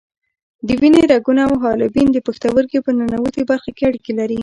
د وینې رګونه او حالبین د پښتورګي په ننوتي برخه کې اړیکې لري.